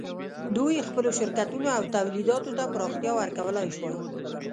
دوی خپلو شرکتونو او تولیداتو ته پراختیا ورکولای شوای.